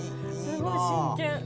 「すごい。真剣」